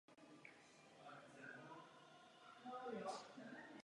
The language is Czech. O několik let později císař vážně onemocní.